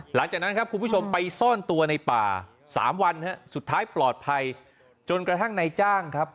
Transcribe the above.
หลังจากนั้นครับคุณผู้ชมไปซ่อนตัวในป่าสามวันฮะสุดท้ายปลอดภัยจนกระทั่งนายจ้างครับ